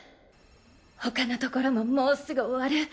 他のところももうすぐ終わる。